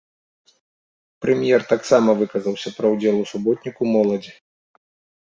Прэм'ер таксама выказаўся пра ўдзел ў суботніку моладзі.